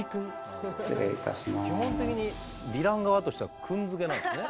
基本的にヴィラン側としては「くん」付けなんですね。